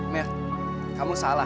mel kamu salah